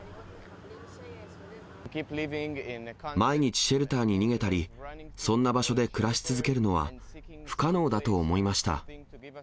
毎日シェルターに逃げたり、そんな場所で暮らし続けるのは不可能だと思いました。